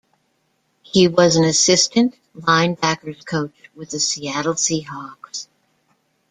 He was an assistant linebackers coach with the Seattle Seahawks.